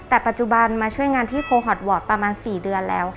แต่ปัจจุบันมาช่วยงานที่โคฮอตวอร์ดประมาณ๔เดือนแล้วค่ะ